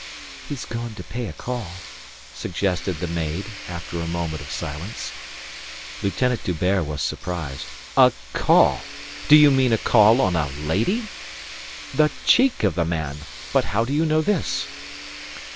"He's gone to pay a call," suggested the maid, after a moment of silence. Lieutenant D'Hubert was surprised. "A call! Do you mean a call on a lady? The cheek of the man. But how do you know this?"